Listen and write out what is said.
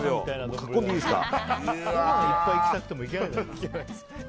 かきこんでいいですか？